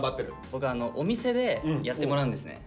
僕お店でやってもらうんですね。